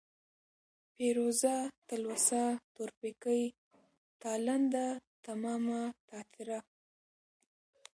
پېروزه ، تلوسه ، تورپيکۍ ، تالنده ، تمامه ، تاتره ،